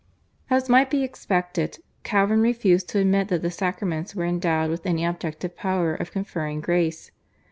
As might be expected, Calvin refused to admit that the sacraments were endowed with any objective power of conferring Grace.